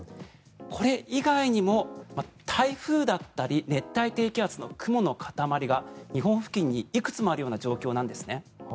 これ以外にも台風だったり熱帯低気圧の雲の塊が日本付近にいくつもあるような状況なんですね。